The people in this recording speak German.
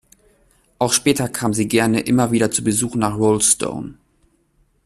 Auch später kam sie gerne immer wieder zu Besuch nach Rolleston.